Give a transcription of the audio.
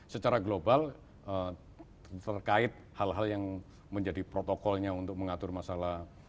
secara global terkait hal hal yang menjadi protokolnya untuk mengatur masalah